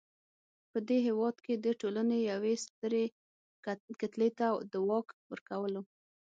په دې هېواد کې د ټولنې یوې سترې کتلې ته د واک ورکولو.